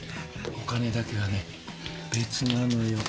お金だけはね別なのよ。